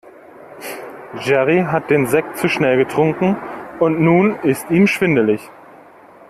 Jerry hat den Sekt zu schnell getrunken und nun ist ihm schwindelig.